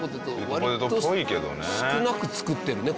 割と少なく作ってるね